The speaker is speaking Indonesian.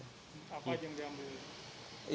apa yang diambil